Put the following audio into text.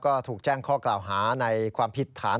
ก็ถูกแจ้งข้อกล่าวหาในความผิดฐาน